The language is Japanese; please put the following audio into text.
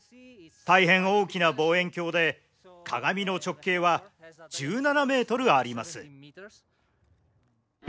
大変大きな望遠鏡で鏡の直径は１７ｍあります。